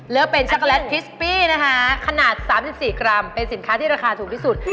เลือกเป็นช็อกโกแลตคิสปี้นะคะขนาด๓๔กรัมเป็นสินค้าที่ราคาถูกที่สุด